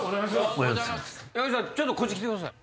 お兄さんこっち来てください